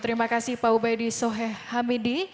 terima kasih pak ubaidi soheh hamidi